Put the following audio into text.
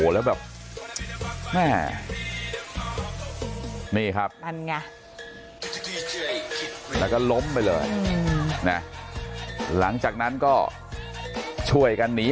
แล้วแบบแม่นี่ครับนั่นไงแล้วก็ล้มไปเลยนะหลังจากนั้นก็ช่วยกันหนี